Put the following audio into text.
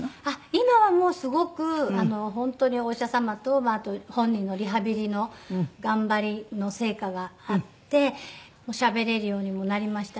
今はもうすごく本当にお医者様とあと本人のリハビリの頑張りの成果があってしゃべれるようにもなりましたし。